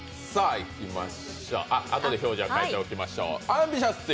あとで表示は変えておきましょう。